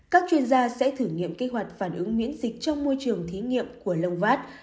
các chuyên gia sẽ thử nghiệm kế hoạch phản ứng miễn dịch trong môi trường thí nghiệm của lonvat